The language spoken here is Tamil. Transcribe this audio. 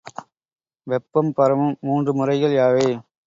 வெப்பம் பரவும் மூன்று முறைகள் யாவை?